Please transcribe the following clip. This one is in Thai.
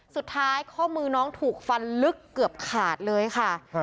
ข้อมือน้องถูกฟันลึกเกือบขาดเลยค่ะ